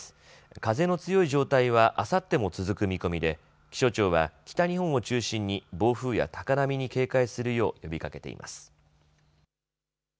風の強い状態はあさっても続く見込みで気象庁は北日本を中心に暴風や高波に警戒するよう呼びかけています。